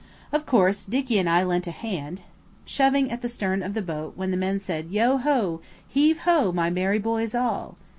Of course Dicky and I lent a hand, shoving at the stern of the boat when the men said, "Yo, ho! Heave ho, my merry boys all!"